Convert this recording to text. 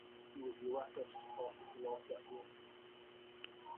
উবারের CEO অনুসন্ধানের শীর্ষ তালিকায় খোশরোশাহী ছিলেন এটা সহজে কেউ বুঝতে পারেননি।